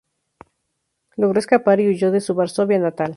Logró escapar y huyó de su Varsovia natal.